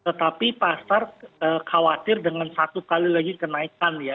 tetapi pasar khawatir dengan satu kali lagi kenaikan ya